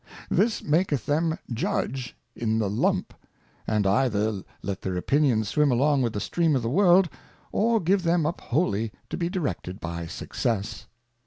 This maketh them judge in the Lump, and either let their Opinions swim along with the Stream of the World, or give them up wholly to be directed by Success.